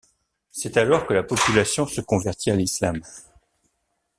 C’est alors que la population se convertit à l’islam.